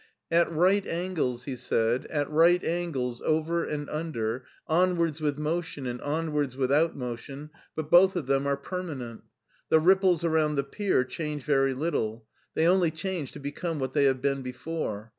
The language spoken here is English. "At right angles," he said, " at right angles over and under, on wards with motion and onwards without motion, but both of them are permanent. The ripples around the pier change very little; they only change to become what they have been before.